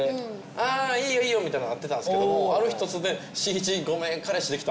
「あいいよいいよ」みたいななってたんすけどもある日突然「しんいちごめん彼氏できた！」